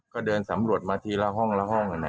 ก็เดินสำรวจมาทีละห้องละห้อง